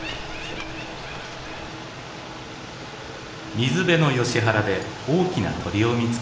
水辺のヨシ原で大きな鳥を見つけました。